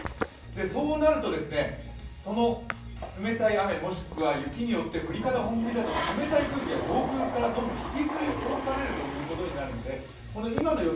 そうなると、冷たい雨もしくは雪によって、降り方が本降りだと冷たい空気が上空からどんどん引きずり下ろされることになるので今の予想